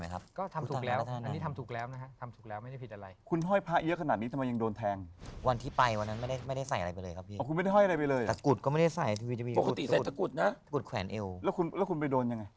แขวนเอวแล้วคุณแล้วคุณไปโดนยังไง